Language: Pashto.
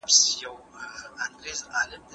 بل غواړي واوري له اسمانه د مارغانو اواز